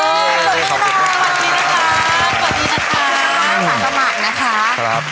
สวัสดีครับ